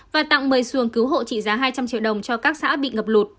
và tặng một mươi xuồng cứu hộ trị giá hai trăm linh triệu đồng cho các xã bị ngập lụt